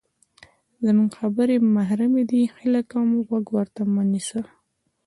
زمونږ خبرې محرمې دي، هیله کوم غوږ ورته مه نیسه!